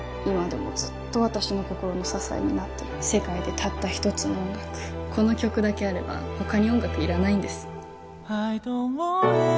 今でもずっと私の心の支えになってる世界でたった一つの音楽この曲だけあれば他に音楽いらないんです